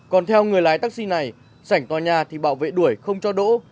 còn theo người lái taxi này sảnh tòa nhà thì bảo vệ đuổi không cho đỗ